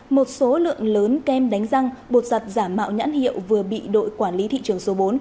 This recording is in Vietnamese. một số lượng lớn kem đánh răng bột giặt giả mạo nhãn hiệu vừa bị đội quản lý thị trường số bốn